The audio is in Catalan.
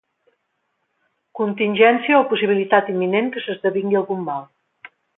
Contingència o possibilitat imminent que s'esdevingui algun mal.